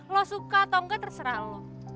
lo suka atau enggak terserah lo